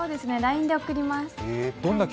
ＬＩＮＥで送ります。